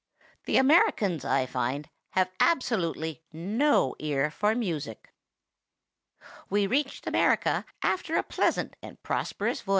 The Americans, I find, have absolutely no ear for music. "We reached America after a pleasant and prosperous voyage.